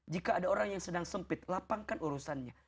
jika ada orang yang sedang sempit lapangkan urusannya